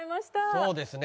そうですね。